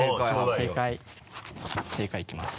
正解いきます。